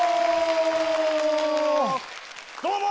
どうも！